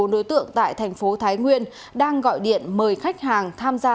một mươi bốn đối tượng tại thành phố thái nguyên đang gọi điện mời khách hàng tham gia